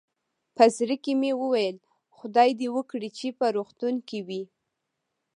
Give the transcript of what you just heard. په زړه کې مې ویل، خدای دې وکړي چې په روغتون کې وي.